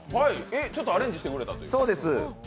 ちょっとアレンジしてくれたということ？